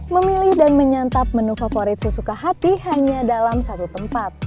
memilih dan menyantap menu favorit sesuka hati hanya dalam satu tempat